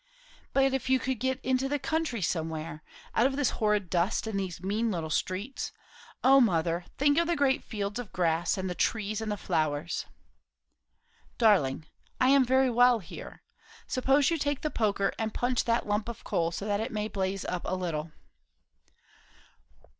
"But if you could get into the country somewhere? out of this horrid dust and these mean little streets. O mother, think of the great fields of grass, and the trees, and the flowers!" "Darling, I am very well here. Suppose you take the poker and punch that lump of coal, so that it may blaze up a little."